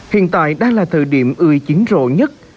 hiện tại đã là thời điểm ươi chính rộ nhất